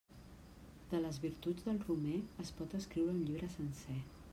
De les virtuts del romer es pot escriure un llibre sencer.